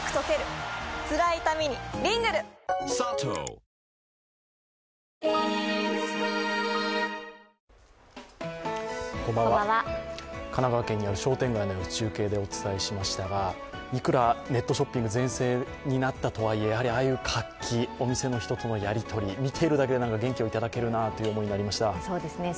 これから本当にお忙しい日々神奈川県にある商店街を中継でお伝えしましたがいくらネットショッピング全盛になったとはいえやはりああいう活気、お店の人とのやり取り、見ているだけで元気がいただけるなという思いになりました。